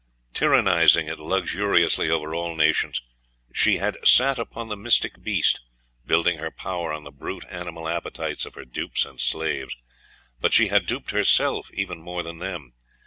Tyrannising it luxuriously over all nations, she had sat upon the mystic beast building her power on the brute animal appetites of her dupes and slaves: but she had duped herself even more than them.